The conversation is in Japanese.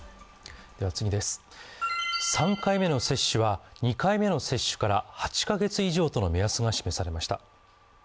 ３回目の接種は２回目の接種から８カ月以上との目安が示されました。